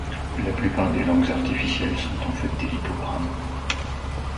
La plupart des langues artificielles sont en fait des lipogrammes.